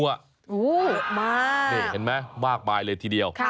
มากเห็นไหมมากไปเลยทีเดียว